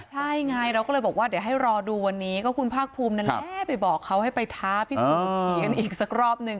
ใช่ไงเราก็เลยบอกว่าเดี๋ยวให้รอดูวันนี้ก็คุณภาคภูมินั่นแหละไปบอกเขาให้ไปท้าพิสูจน์ผีกันอีกสักรอบหนึ่ง